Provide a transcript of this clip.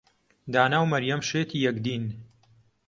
دانا و مەریەم شێتی یەکدین.